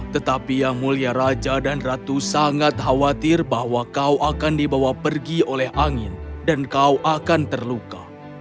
tetapi yang mulia raja dan ratu sangat khawatir bahwa kau akan dibawa pergi oleh angin dan kau akan terluka